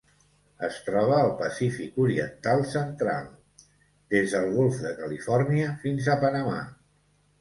Es troba al Pacífic oriental central: des del golf de Califòrnia fins a Panamà.